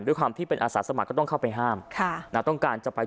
ด้วยความที่เป็นอาสาสมัครก็ต้องเข้าไปห้ามค่ะนะต้องการจะไป